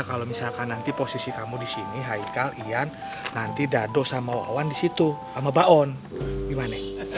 kalau misalkan nanti posisi kamu disini haikal iyan nanti dados sama wawan disitu sama baon gimana